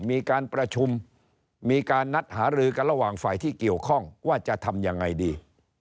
มีการประชุมมีการนัดหารือกันระหว่างฝ่ายที่เกี่ยวข้องว่าจะทำยังไงดี